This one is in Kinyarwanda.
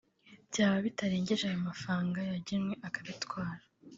byaba bitarengeje ayo mafanga yagenwe akabitwara